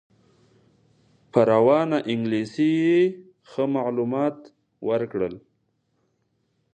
په روانه انګلیسي یې ښه معلومات راکړل.